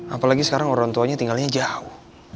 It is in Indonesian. apalagi sekarang orang tuanya tinggalnya jauh